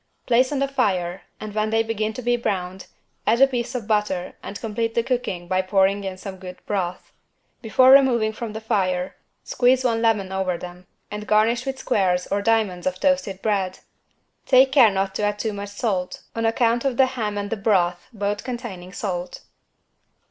Place on the fire and when they begin to be browned, add a piece of butter and complete the cooking by pouring in some good broth. Before removing from the fire squeeze one lemon over them and garnish with squares or diamonds of toasted bread. Take care not to add too much salt on account of the ham and the broth both containing salt.